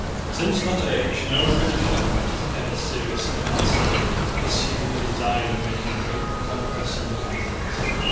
Since that age no British government has ever seriously and steadily pursued the design of making great conquests on the Continent.